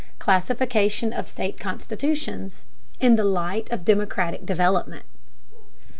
CLASSIFICATION OF STATE CONSTITUTIONS: IN THE LIGHT OF DEMOCRATIC DEVELOPMENT.